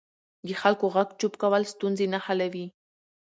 د خلکو غږ چوپ کول ستونزې نه حلوي